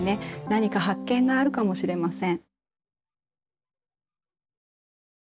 何か発見があるかもしれません。